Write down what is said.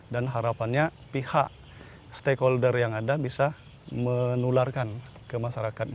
harapannya pihak stakeholder yang ada bisa menularkan ke masyarakat